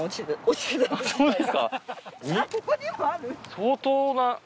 相当な。